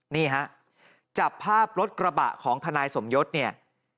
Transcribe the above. นี่ฮะจับภาพรถกระบะของทนายสมยศเนี่ย